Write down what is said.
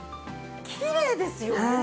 きれいですよね。